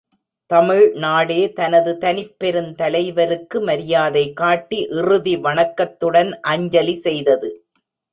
தமிழ்நாடே தனது தனிப்பெருந்தலைவருக்கு மரியாதை காட்டி இறுதி வணக்கத்துடன் அஞ்சலி செய்தது.